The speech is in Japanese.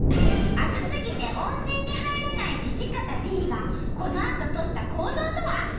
熱すぎて温泉に入れない土方Ｄがこのあと取った行動とは？